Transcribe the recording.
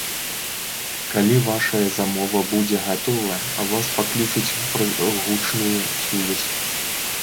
Калі вашая замова будзе гатова, вас паклічуць праз гучную сувязь.